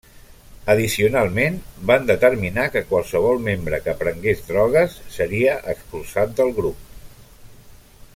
Addicionalment, van determinar que qualsevol membre que prengués drogues seria expulsat del grup.